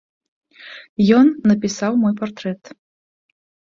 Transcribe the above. Ён напісаў мой партрэт.